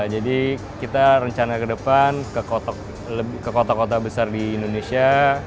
jadi kita rencana ke depan ke kota kota besar di indonesia